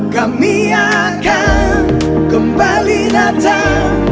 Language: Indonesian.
kami akan kembali datang